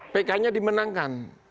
pk nya dimenangkan